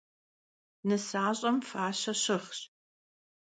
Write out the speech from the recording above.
Nısaş'em faşe şığş.